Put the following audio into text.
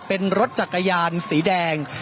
เป็นรถจักรยานสีแดง